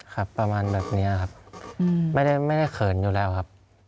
ครับประมาณแบบเนี้ยครับอืมไม่ได้ไม่ได้เขินอยู่แล้วครับ